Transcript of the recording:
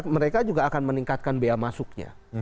mereka juga akan meningkatkan bea masuknya